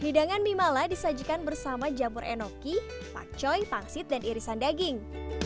hidangan mie mala disajikan bersama jamur enoki pakcoy pangsit dan irisan daging